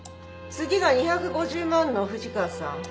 次が２５０万の藤川さん。